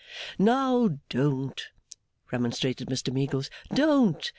'Now, don't,' remonstrated Mr Meagles, 'don't!